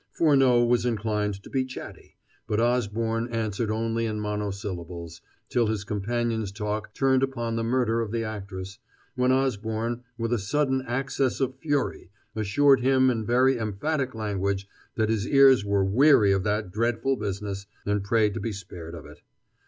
Furneaux was inclined to be chatty, but Osborne answered only in monosyllables, till his companion's talk turned upon the murder of the actress, when Osborne, with a sudden access of fury, assured him in very emphatic language that his ears were weary of that dreadful business, and prayed to be spared it.